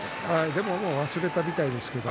でももう忘れたみたいですけど。